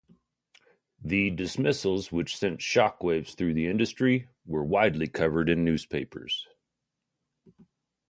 The dismissals, which sent shockwaves through the industry, were widely covered in newspapers.